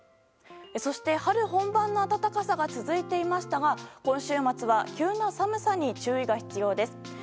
そして、春本番の暖かさが続いていましたが今週末は急な寒さに注意が必要です。